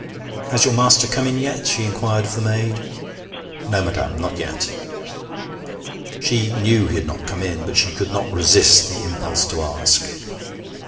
'Has your master come in yet?' she inquired of the maid. 'No, madam, not yet.' She knew he had not come in, but she could not resist the impulse to ask.